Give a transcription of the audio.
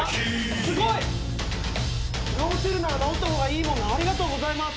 すごい！直せるなら直った方がいいものありがとうございます。